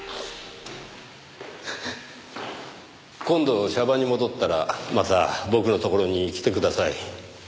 今度娑婆に戻ったらまた僕のところに来てください。